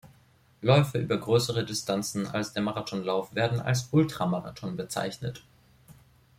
Läufe über größere Distanzen als der Marathonlauf werden als Ultramarathon bezeichnet.